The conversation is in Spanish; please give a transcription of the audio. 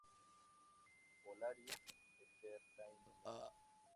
Polaris Entertainment.